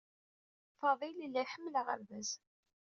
Fadil yella iḥemmel aɣerbaz.